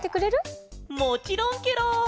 もちろんケロ！